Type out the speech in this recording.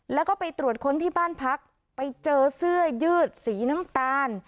แล้วก็ไปตรวจค้นที่บ้านพักไปเจอเสื้อยืดสีน้ำตาล